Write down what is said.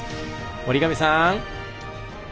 森上さん。